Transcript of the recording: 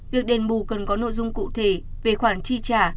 việc đền bù cần có nội dung cụ thể về khoản chi trả